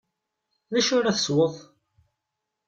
D acu ara tesweḍ?